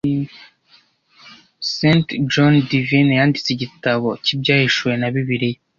St John Divine yanditse igitabo cy'Ibyahishuwe na Bibiliya